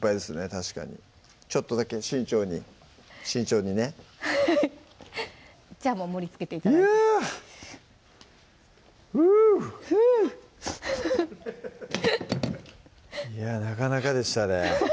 確かにちょっとだけ慎重に慎重にねじゃあもう盛りつけて頂いてフゥーフゥーいやなかなかでしたね